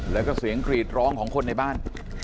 แล้วก็เสียงกรีดร้องของคนในบ้าน